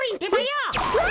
うわ！